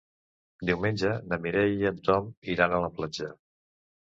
Diumenge na Mireia i en Tom iran a la platja.